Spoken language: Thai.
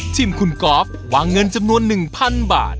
ทีมคุณกอล์ฟวางเงินจำนวน๑๐๐๐บาท